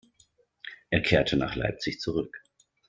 Er kehrte nach Leipzig zurück.